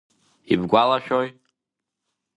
Ибгәалашәои?